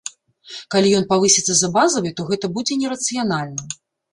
Калі ён павысіцца за базавай, то гэта будзе не рацыянальна.